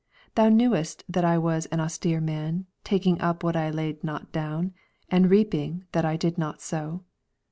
Thou Inewest that I was an austere man, taking up that I laid not down, and reaping that I did not sow.